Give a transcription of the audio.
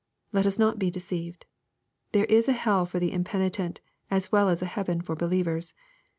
Let us not be deceived. There is a hell for the impenitent, as well as a heaven for believers.